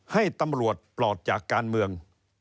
ให้ตำรวจปลอดจากการเมือง